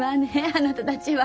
あなたたちは。